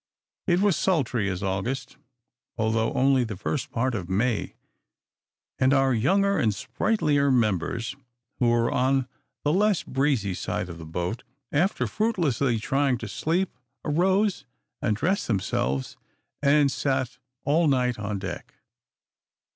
It was sultry as August, although only the first part of May; and our younger and sprightlier members, who were on the less breezy side of the boat, after fruitlessly trying to sleep, arose and dressed themselves, and sat all night on deck.